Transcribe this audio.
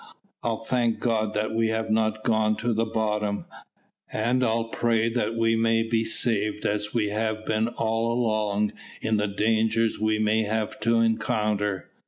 I'll thank God that we have not gone to the bottom, and I'll pray that we may be saved as we have been all along in the dangers we may have to encounter."